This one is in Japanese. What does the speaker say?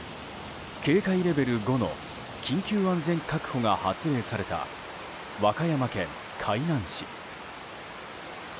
警戒レベル５の緊急安全確保が発令された、和歌山県海南市。